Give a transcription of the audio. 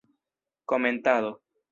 Komentado.